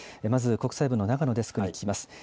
まず国際部の長野デスクに聞きます。